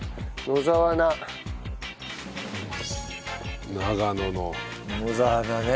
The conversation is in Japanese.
野沢菜ね。